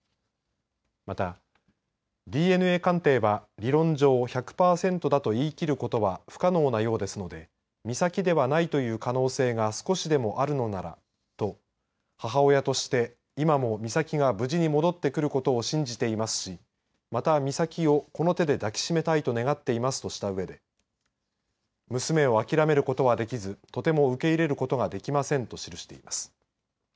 また、ＤＮＡ鑑定は理論上１００パーセントだと言い切ることは不可能のようですので美咲ではないという可能性が少しでもあるのならと母親として今も美咲が無事に戻ってくることを信じていますしまた美咲をこの手で抱き締めたいと願っていますとしたうえで娘を諦めることはできずとても受け入れることはできませんと記しています。